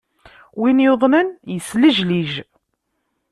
Win yuḍenen, yeslejlij.